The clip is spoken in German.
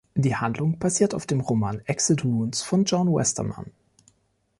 Die Handlung basiert auf dem Roman "Exit Wounds" von John Westermann.